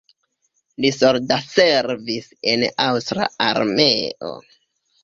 Li soldatservis en aŭstra armeo.